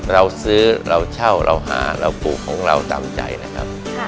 เราซื้อเราเช่าเราหาเราปลูกของเราตามใจนะครับ